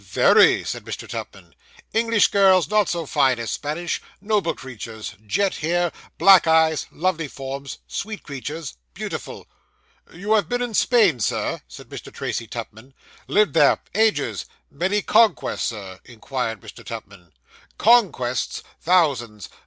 'Very!' said Mr. Tupman. 'English girls not so fine as Spanish noble creatures jet hair black eyes lovely forms sweet creatures beautiful.' 'You have been in Spain, sir?' said Mr. Tracy Tupman. 'Lived there ages.' 'Many conquests, sir?' inquired Mr. Tupman. 'Conquests! Thousands.